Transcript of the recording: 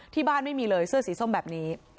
ที่บ้านไม่มีเลยเสื้อสีส้มแบบนี้